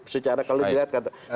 secara kalau dilihat katakan